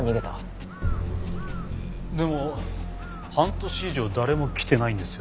でも半年以上誰も来てないんですよね？